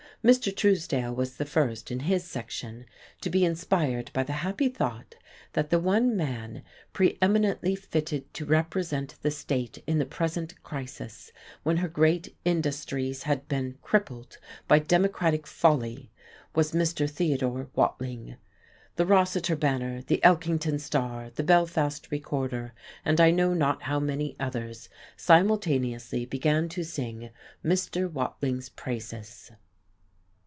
Mr. Truesdale was the first, in his section, to be inspired by the happy thought that the one man preeminently fitted to represent the state in the present crisis, when her great industries had been crippled by Democratic folly, was Mr. Theodore Watling. The Rossiter Banner, the Elkington Star, the Belfast Recorder, and I know not how many others simultaneously began to sing Mr. Watling's praises.